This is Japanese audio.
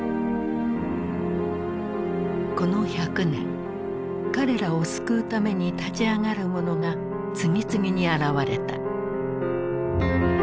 この１００年彼らを救うために立ち上がる者が次々に現れた。